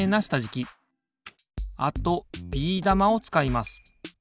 あとビー玉をつかいます。